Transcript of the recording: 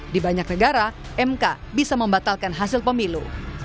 di banyak negara mk bisa membatalkan hasil pemilu